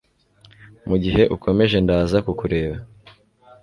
Mugihe ukomeje ndaza kuku reba